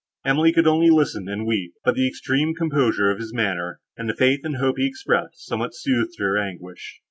Emily could only listen, and weep; but the extreme composure of his manner, and the faith and hope he expressed, somewhat soothed her anguish.